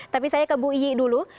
tapi saya ke bu iyi dulu